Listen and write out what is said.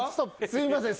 すいません